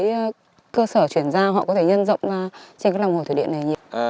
các cơ sở chuyển giao họ có thể nhân rộng trên các lòng hồ thái điện này nhiều không ạ